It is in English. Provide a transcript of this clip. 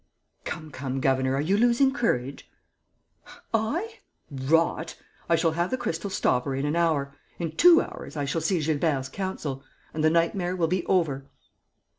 "Come, come, governor, are you losing courage?" "I? Rot! I shall have the crystal stopper in an hour. In two hours, I shall see Gilbert's counsel. And the nightmare will be over."